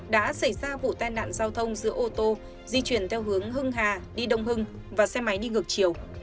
đã xảy ra vụ tai nạn giao thông giữa ô tô di chuyển theo hướng hưng hà đi đông hưng và xe máy đi ngược chiều